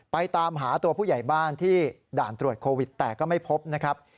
ตามหาตัวผู้ใหญ่บ้านที่ด่านตรวจโควิดแต่ก็ไม่พบนะครับ